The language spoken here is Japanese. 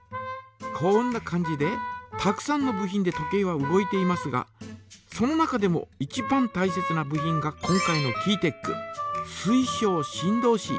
こんな感じでたくさんの部品で時計は動いていますがその中でもいちばんたいせつな部品が今回のキーテック水晶振動子。